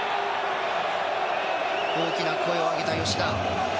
大きな声を上げた吉田。